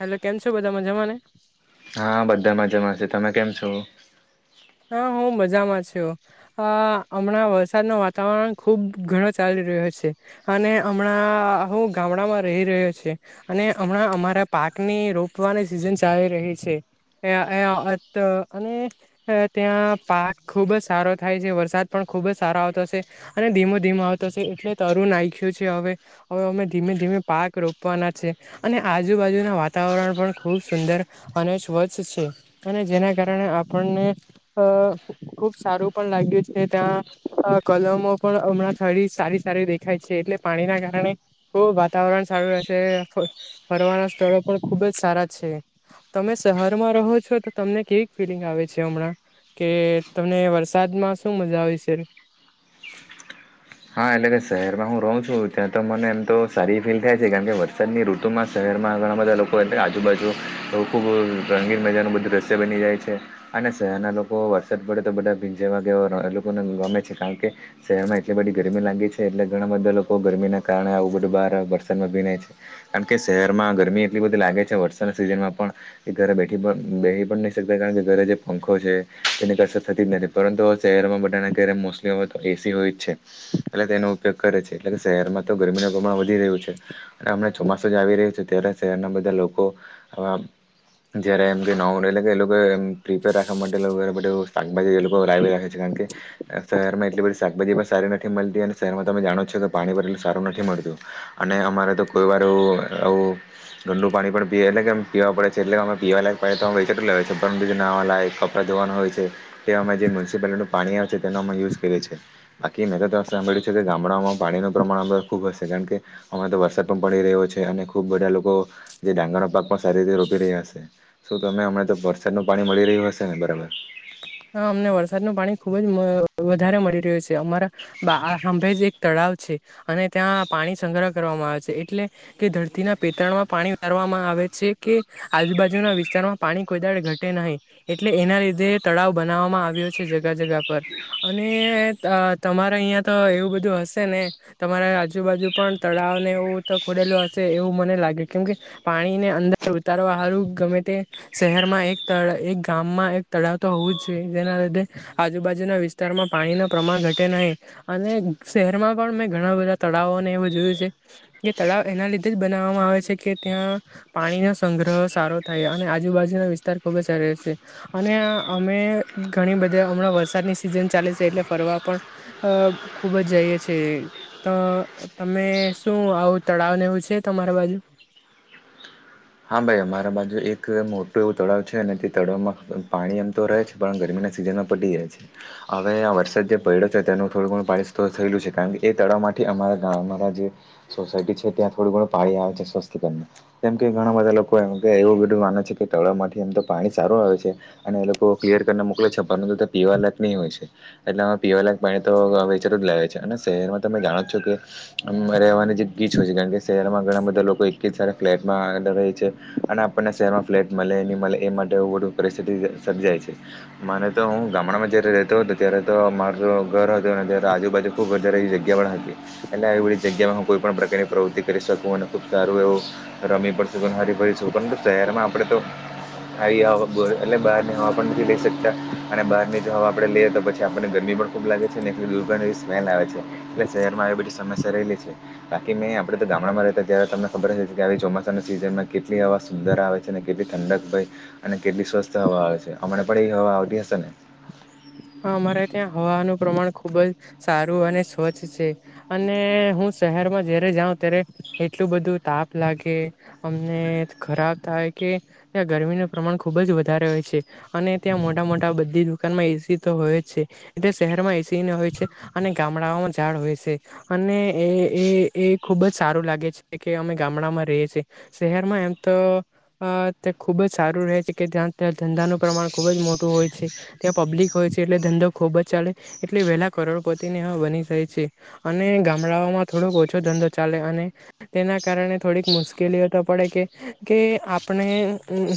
હલે કેમ છો બધા મજામાને હા બધા માજામા છે તમે કેમ છો હા હ હુ મજામાં છ આ હમણાં વરસાદ નો વાતાવરણ ખુબ ઘણો ચાલી રહ્યો છે અને હમણાં હું ગામડામાં રહી રહ્યો છે અને હમણાં અમારા પાકની રો ઉપવાની સિઝન ચાલી રહી છે અને ત્યાં પાક ખુબ જ સારો થાય છે વરસાદ પણ ખુબ જ સારો આવતો છે અને ધીમો ધીમો આવતો છે એટલે તરુ નાખ્યું છે હવે હવે અમે ધીમે ધીમે પાક રોપવાના છે અને આજુબાજુના વાતાવરણ પણ ખૂબ સુંદર અને સ્વચ્છ છે અને જેના કારણે આપણને અહ ખુબ સારું પણ લાગ્યું છે ત્યાં અહ કલમો પણ હમણાં થડી સારી સારી દેખાય છે એટલે પાણીના કારણે હો વાતાવરણ સારું રહેશે ફ-ફરવાના સ્થળો પણ ખુબ જ સારા છે તમે શહેરમાં રહો છો તો તમને કેવી ફીલિંગ આવે છે હમણાં? કે તમને વરસાદમાં શું મજા આવી છે? હા, એટલે કે શહેરમાં હું રહું છું ત્યાં તો મને એમ તો સારી ફીલ થાય છે કારણ કે વરસાદની ઋતુમાં શહેર ઘર ના ઘણા બધા લોકો એટલે આજુબાજુ ખુબ રંગીન મજા નું બધું દ્રશ્ય બની જાય છે અને શહેરના લોકો વરસાદ પડે તો બધા ભીંજાવા ગેવા લોકોને ગમે છે કારણ કે શહેરમાં એટલી બધી ગરમી લાગે છે એટલે ઘણા બધા લોકો ગરમીના કારણે આવું બધું બાર વરસાદમાં ભીનાય છે કારણ કે શહેરમાં ગરમી એટલી બધી લાગે છે વરસાદના સિઝનમાં પણ એ ઘરે બેઠી પણ બેહિ પણ નહી શકતા કારણ કે ઘરે જે પંખો છે તેની કઈ અસર થતી જ નથી પરંતુ શહેરમાં બધાને ઘ્યારે મોસ્ટલી હવે તો એસી હોય જ છે એટલે તેનો ઉપયોગ કરે છે એટલે કે શહેરમાં તો ગરમીનું પ્રમાણ વધી રહ્યું છે અને હમણાં ચોમાસું જ આવી રહ્યું છે ત્યારે શહેરના બધા લોકો આવા જયારે એમ કે નાડ એટલે કે એ લોકો એ પ્રિપેર રાખવા માટે લોકો શાકભાજી એ લોકો લાવી રાખે છે કારણ કે શહેર માં એટલી બધી શાકભાજી સારી નથી મળતી અને શહેરમાં તમે જાણો છો કે પાણી ભરે એટલું સારું નથી મળતું અને અમારે તો કોઈ વાર આવું ગંદુ પાણી પણ પીએ એટલે કેમ પીવા પડે છે એટલે અમે પીવાલાયક તો એટલે છે પરંતુ ના કપરા જોવા હોય છે તે અ જે મ્યુનિસિપાલટીનું પાણી આવે છે તેનો અમે યુઝ કરીએ છીએ બાકી મેં તો સાંભળ્યું છે કે ગામડાઓમાં પાણીનું પ્રમાણ અ ખૂબ હશે કારણ કે અમારે તો વરસાદ પણ પડી રહ્યો છે અને ખુબ બધા લોકો જે ડાંગરનો પાક પણ સારી રીતે રોપી રહ્યા હશે શું તમે હમણાં તો વરસાદનો પાક મળી રહ્યું હશે ને બરાબર હા અમને વરસાદનું પાણી ખુબ જ વધારે મળી રહ્યું છે અમારાં હાંભે જ એક તળાવ અને ત્યાં પાણી સંગ્રહ કરવામાં આવે છે એટલે કે ધરતીના પેતરણમાં પાણી ઉતરવામાં આવે આવે છે કે આજુબાજુના વિસ્તારોમાં પાણી કોઈ દાડે ઘટે નહી એટલે એના લીધે તળાવ બનાવવામાં આવ્યો છે જગા જગા પર અને તમારે અહિયાં તો એવું બધું હશે ને તમારા આજુબાજુ પણ તળાવને એવું તો ખોલેલો હશે એવું મને લાગે કેમ કે પાણી ને અંદર ઉતારવા હારું ગમે તે શહેરમાં એક એક ગામમાં એક તળાવ તો હોવું જ જોઈએ જેના લીધે આજુબાજુના વિસ્તારમાં પાણી નું પ્રમાણ ઘટે નહીં અને શહેરમાં પણ મેં ઘણા બધા તળાવોને એવું જોયું છે કે તળાવ એના લીધે જ બનાવવામાં આવે છે કે ત્યાં પાણી નો સંગ્રહ સારો થાય અને આજુબાજુના વિસ્તાર ખુબ જ સરસ રે અને આ અમે ઘણી બધી હમણાં વરસાદની સિઝન ચાલે છે એટલે ફરવા પણ અ ખૂબ જ જાય તમે શું આવું તળાવ ને એવું છે તમારી બાજુ હા ભાઈ અમારા બાજુ એક મોટું એવું તળાવ છે અને તે તળાવમાં પાણી એમ તો રહે છે પણ ગરમી સિઝનમાં પતી જાય છે હવે આ વરસાદ જે પડ્યો છે તેનું થોડું ઘણું પાણી સ્ટોર થયેલુ છે કારણ કે એ તળાવમાં થી અમારા ગામ જે સોસાયટી છે ત્યાં થોડું ઘણું પાણી આવે છે, સ્વસ્ટીકર કેમ કે ઘણા બધા લોકો એમ કે એવું બધું માને છે કે તળાવમાંથી એમ તો પાણી સારું આવે છે અને એ લોકો ક્લિયર કરને મોકલે છે પીવા લાયક નહી હોય છે એટલેમાં પીવાલાયક પાણી તો વેચાતું જ લાવે છે, અને શહેરમાં જાણો છો કે રહેવાની જે ગીચ હોય છે, કારણ કે શહેરમાં ઘણા બધા લોકો એક જ સાથે ફ્લેટમાં રેય છે અને આપણને શહેરમાં ફ્લેટ મલે ની મલે એ માટે પરિસ્થિતિ સર્જાય છે. મારે તો હું ગામડામાં જયારે રેતો હતો ત્યારે તો માર તો ઘર હતું અને ત્યારે આજુબાજુ ખુબ વધારે એ જગ્યા એટલે આવી બધી જગ્યામાં હું કોઈ પણ પ્રકારની પ્રવૃતિ કરી શકું અને ખુબ સારું એવુ રમી પણ હરીફરી શકું પણ શહેરમાં આપડે તો આવી એટલે બહાર ની હવા પણ નથી લઈ શકતા અને બહારની જો હવા આપડે લઈએ તો પછી આપણને ગરમી ખુબ લાગે છે ને એટ દુર્ગંધ એવી સ્મેલ આવે છે, એટલે શહેરમાં એવી બધી સમસ્યા રહેલી છે બાકી મે તો ગામડામાં રહેતા ત્યારે તમને ખબર હશે કે ચોમાસા જેમાં કેટલી હવા સુંદર આવે છે અને કેટલી ઠંડક ભય અને કેટલી સ્વસ્થ હવા આવે છે, હમણા પણ એ હ હવા આવતી હશે ને [inaudible] હ અમારે ત્યાં હવાનું પ્રમાણ ખુબ જ સારું અને સ્વચ્છ છે અને હું શહેરમાં જય્યારે જાઓ ત્યારે એટલું બધું તાપ લાગે અમને ખરાબ થાય કે ત્યાં ગરમીનું પ્રમાણ ખૂબ જ વધારે હોય છે અને ત્યાં મોટા મોટા બધી દુકાનમાં એસી તો હોય જ છે એટલે શહેરમાં એસીને હોય છે અને ગામડાઓમાં ઝાડ હોય સે અને એ એ એ ખુબ જ સારું લાગે છે કે અમે ગામડામાં ર છીએ શહેરમાં એમ તો અ તે ખૂબ જ સારું રહે છે કે જ્યાં ત્યાં ધંધાનું પ્રમાણ ખૂબ જ મોટું હોય છે ત્યાં પબ્લિક હોય છે એટલે ધંધો ખુબ જ ચાલે એટલે વહેલા કરોડપતીને બની જાય છે અને ગામડાઓમાં થોડો ઓછો ધંધો ચાલે અને તેના કારણે થોડીક મુશ્કેલીઓ તો પડે કે આપણે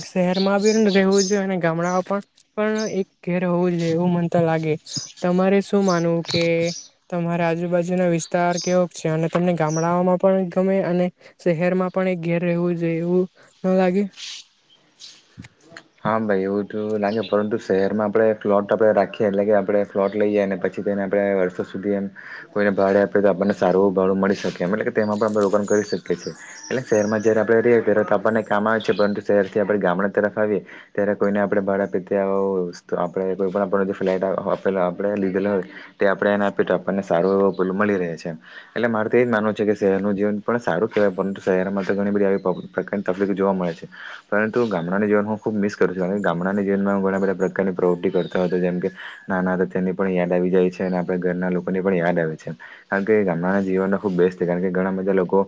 શહેર માં બી રહેવું જોઈએ અને ગામડામાં પણ પણ એક ઘેર હોવું જોઈએ એવું મનતો લાગે તમારે શું માનવું કે તમારા આજુબાજુનો વિસ્તાર કેવો છે? અને તમને ગામડાઓમાં પણ ગમે અને શહેરમાં પણ પણ એક ઘેર રહેવું જોઈ એવું ના લાગે હા ભાઈ, એવું તો લાગે પરંતુ શહેરમાં આપણે ફલોટ આપડણે રાખીએ એટલે કે આપણે ફ્લોટ લઈએ અને પછી આપ વર્ષો સુધી એમ કોઈને ભાડે આપી તો આપણને સારું ભાડું મળી શકે એમ એટલે કે તેમાં પણ આપણે રોકાણ કરી શકીએ, એટલે શહેરમાં જયારે આપણે રહીએ ત આપણને કામ આવે છે પરંતુ શહેર થી આપણે ગામડા તરફ આવીએ, ત્યારે કોઈને આપડે ભાડા પીતે આપણે કોઈ પણ આપ ફ્લાટ આપડે લીધેલા હોય. તે આપણેે એને આપી તો આપણને સારું એવો ભૂલ મળી રહે છે, એટલે મારે તો એજ માનવું છે કે શહેરનું જીવન પણ સારું કહેવાય પરંતુ શહેરમાં તો ઘણી બધી આવી પ્રકારની તકલીફ જોવા મળે છે, પરંતુ ગામડાના જીવન હું ખૂબ મિસ કરું છું અને ગામડાની જીવનમાં હું ઘણા બધા પ્રકારની પ્રવૃત્તિ કરતો હતો જેમ કે નાના હતા તેની પણ યાદ આ જાય છે અને આપણે ઘરના લોકોને પણ યાદ આવે છે, કારણ કે ગામડાના જીવનનો ખૂબ બેસ્ટ છે કારણ કે ઘણા બધા લોકો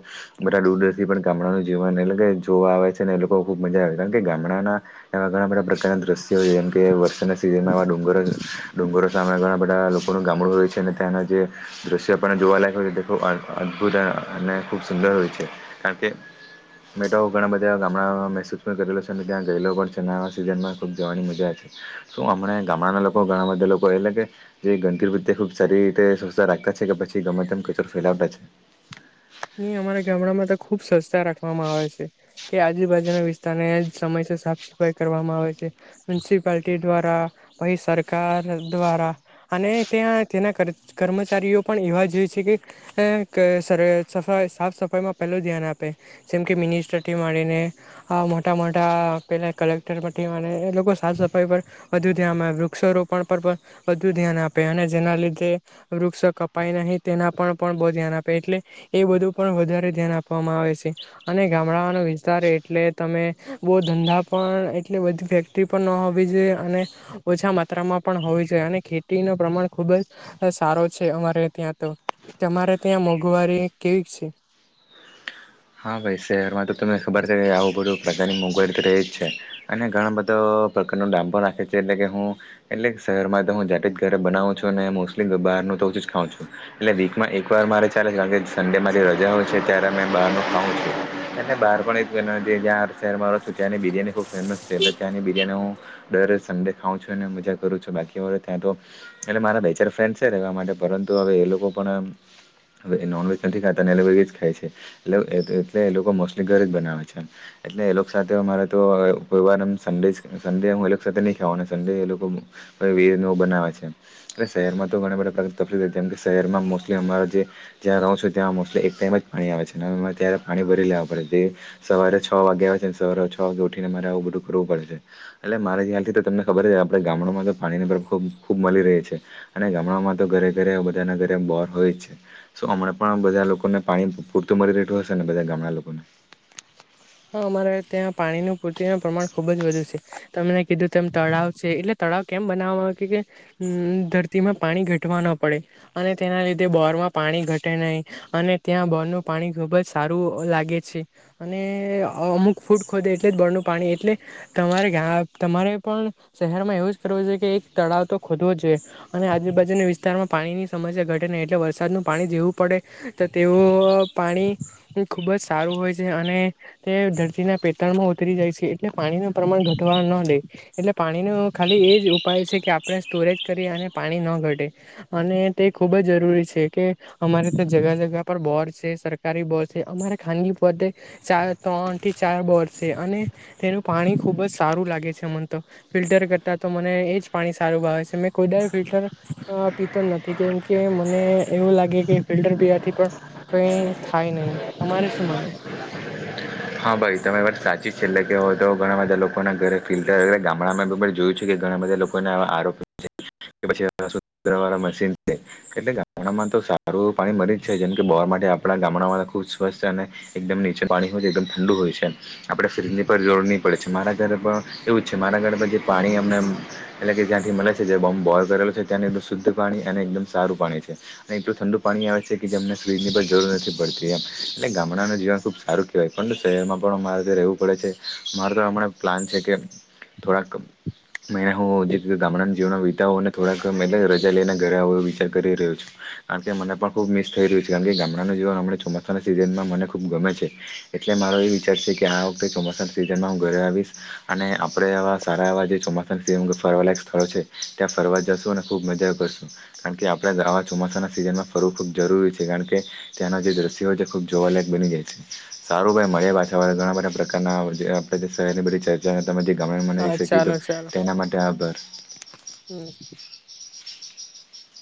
બધા દૂર દૂર થી પણ ગામડાનું જીવન એટલે કે જોવા આવે છે ને એ લોકો ખુબ મજા આવે છે કારણ કે ગામડાના એવા ઘણા બધા પ્રકારના દ્રશ્યો જેમ કે વરસાદના સિઝનમાં ડુંગરો ડુંગરો સામે ઘણા બધા લોકોનું ગામડું હોય છે, અને ત્યાંના જે દ્રશ્ય પણ જોવાલાયક હોય છે તે ખબ અદભુત અને ખૂબ સુંદર હોય છે કારણ કે મેં તો ઘણાબધા ગામડા મહેસૂસ પણ કરેલો છે, અને ત્યાં ગયલો પણ છે નવા સિઝનમાં ખૂબ જવાની મજા છે શું હમણાં ગામડાના લોકો ઘણા બધા લોકો એટલે કે જે [inaudible] તે ખૂબ સારી રીતે સ્વચછતા રાખતા છે કે પછી ગમે તેમ કચોરો ફેલાવતા છે. નહી અમારા ગામડામાં તો ખુબ સ્વછતા રાખવામાં આવે છે, કે આજુબાજુના વિસ્તારને સમય સાફ સફાઈ કરવામાં આવે છે, મ્યુનિસિપાલટી દ્વારા પહી સરકાર દ્વારા અને ત્યાં તેના કર કર્મચારીઓ પણ એવા જ છે અ કે સર સફાઈ સાફ સફાઈમાં પહેલું ધ્યાન આપે જેમ કે મિનિસ્ટરથી માડીને આ મોટા મોટા પેલા કલેક્ટર પ લોકો સાફ સફાઈ પર વધુ ધ્યાન આવે વૃક્ષારોપણ પર પણ વધુ ધ્યાન આપે અને જેના લીધે વૃક્ષો કપાય નહી, તેના પણ પણ બહુ ધ્યાન આપે એટલે એ બધું પણ વધારે ધ્યાન આપવામાં આવે છે, અને ગામડાઓનો વિસ્તાર એટલે તમે બઉ ધંધા પણ એટલે બધી ફેક્ટરી પણ ન હોવી જોઈએ અને ઓછા માત્રામાં પણ હોવી જોઈએ અને ખેતીનો પ્રમાણ ખુબ જ સારો છે અમારે ત્યાં તો તમારે ત્યાં મોંઘવારી કેવી છે? હા ભાઈ શહેરમાં તો તમને ખબર છે કે આવું બધું પ્રકારની મોંઘવારી તો જ છે અને ઘણા બધો પ્રકાર દામ પણ રાખે છે એટલે કે હું એટલે શહેરમાં તો હું જાતે જ ઘરે બનાવું છું અને મોસ્ટલી બાર બહારનું તો હું જ ખાઉં છું એટલે વીકમાં એકવાર મારે ચાલે છે કારણ કે સન્ડેમાં જે રજા હોય છે ત્યારે અમે બહારનું અને બહાર પ [unintelligible] ણ જં શહેર ચાની બિર્યાણી ખૂબ ફેમસ છે ચા ને બિર્યાની હું દર સંડે ખાઉં છું અને મજા કરું છું બાકી ત્યાં તો એટલે મારા બે ચાર ફ્રેન્ડ છે રહેવા માટે પરંતુ હવે એ લોકો પણ નોનવેજ નથી ખાતા એ લોકો વેજ ખાય છે એટલે એટલે એ લોકો મોસ્ટલી ઘરે જ બનાવે છે એટલે એ લોક સાથે અમારે તો કોઈવાર એમ સન્ડે જ સંડે હું એ સાથે નહી ખાવા સંડે એ લોકો બનાવે છે એટલે શહેરમાં તો ઘણા બધા. તકલીફ જેમ કે શહેરમાં મોસ્ટલી અમા જે જ્યાં રહો છ છે ત્યાં મોસ્ટલી એક ટાઈમ જ પાણી આવે છે. ત્યારે પાણી ભરી લેવા પડે છે સવારે છ વાગે આવે છે ને સવારે છ વાગે ઉઠીને મારે આવું બધું કરરવું પડે છે. એટલે મારે ત્યાંથી તો તમને ખબર જ આપણે ગામડામાં તો પાણીની પ્ર ખૂબ મળી રહી છે અને ગામડામાં. તો ઘરે ઘરે બધાના ઘરે બોર હોય જ છે સો હમણા પણ બધા લોકોને પાણી પૂરતું મરી દઠું અને બધા ગામડા લોકોને [unintelligible] હા, અમારે ત્યાં પાણીનું પૂર્તિનું પ્રમાણ ખુબ જ વધુ છે તમે કીધું તેમ તળાવ છે એટલે તળાવ કેમ બનાવવામાં આવે કે ધરતીમાં પાણી ઘટવા ન પડે અને તેના લીધે બોરમાં પાણી પાણી ઘટે નહીં અને ત્યાં બોર નું પાણી ખુબ જ સારું લાગે છે. અને અમુક ફૂટ ખોદે એટલે જ બળનું પાણી એટલે તમારે ઘ તમારે પણ શહેરમાં એવું જ કરવું છે કે એક તળાવ તો ખોદવો જોઈએ, અને આજુબાજુના વિસ્તારમાં પાણીની સમસ્યા ઘટે એટલે વરસાદનું પાણી જેવું પડે તો તેઓ પાણી ખુબ જ સારું હોય છે, અને તે ધરતીના પેટણમાં ઉતરી જાય છે એટલે પાણી ન પ્રમાણ ઘટવા ન દે એટ પાણીનો ખાલી એ જ ઉપાય છે કે આપણે સ્ટોરેજ કરી અને પાણી ન ઘટે અને તે ખૂબ જ. જરૂરી છે કે અમારે તો જગા જગા પર બોસ છે સરકારી બોસ છે અમારે ખાનગી પતે ચાર ત્રણ થી ચાર બર છે અને તેનું પાણી ખુબ જ સારું લાગે છે મમને તો ફિલ્ટર કરતાં તો મને એ જ પાણી સારું ભાવે છે મેં કોઈદ ફિલ્ટર પીતો જ નથી કેમ કે મને એવું લાગે કે ફિલ્ટર બી આથી પણ કઈ થાય નહીિ તમારે શું માર હા ભાઈ તમે વાર સાચી છે એટલે કે હોય તો ઘણા બધા લોકો ના ઘરે ફિલ્ટર ગામડામાં જોયું છે. ઘણા બધા લોકોને આવા આરોપ પછીળ મશીન એટ ગામડામાં તો સારું પાણી મરી જ છે જેમ કે માટે આપણા ગામડાળા ખુબ સ્વસ્થ અને એકદમ નીચે પાણી હોય. ઠંડુ હોય છે આપણે ફ્રીજની પર જોર નહીં પડે છે મારા ઘર પર એવું જ છે મારા ઘર પર જે પાણી અમને એટલે કે જ્યાંથી મળે છે જે બોબ બોલ કરેલો છે ત્યાં શુદ્ધ પાણી અને એકદમ સારું પાણી છે. ઠંડ પાણી આવે છે કે જેમને સ્વીજ ની પણ જરૂર નથી પડતી એમટલે ગામડાનું જીવન ખુબ સારું કહેવાય છે. પણ શહેરમાં પણ મામારે જે્યા રહેવું પડે છે મારે તો હમણાં પ્લાન છે કે થોડાક મ હુંતે ગામડાના જીવન વિતા હો અને થોડાક રજા લઈને ઘરે વિચાર કરી રહ્યો છું. કારણ કે મને પણ ખુબ મિસ થઈ રહ્યું છે કારણ કે ગામડાનું જીવનમ ચોમાસાના સીઝનમાં મને ખુબ ગમે છે. એટલે મારો એ વિચાર છે કે આ વખતે ચોમાસાના સિઝનમાં હું ઘરે આવીશ અને આપણે આવા સારા એવા જે ચોમાસા ફરવા લયક સ્થળો છે ત્યાં ફરવા જશું અને ખુબ મજા કરશું કારણ કે આપડાાવા ચોમાસા સીઝનમાં ફરવું ખૂબ જરૂરી છે કારણ કે ત્યાંના જે દ્રશ્યો છે ખૂબ જોવાલાયક બની જાય છે. સારું ભાઈ મળે પાછાળ ઘણા બધા પ્રકારના આપે સેલબ્ર ચર્ચા ગામ મનાવી હા ચાલો શકીધું ચાલો તેના માટે આભાર હમ